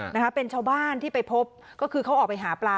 นะคะเป็นชาวบ้านที่ไปพบก็คือเขาออกไปหาปลา